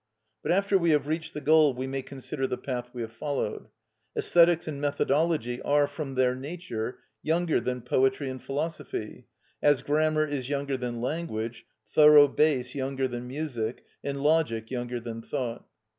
But after we have reached the goal we may consider the path we have followed. Æsthetics and methodology are, from their nature, younger than poetry and philosophy; as grammar is younger than language, thorough bass younger than music, and logic younger than thought.